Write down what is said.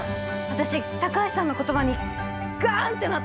私高橋さんの言葉にガンってなったんです。